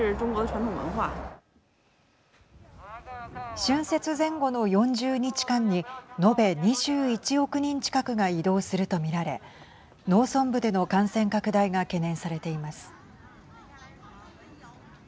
春節前後の４０日間に延べ２１億人近くが移動すると見られ農村部での感染拡大が懸念されています。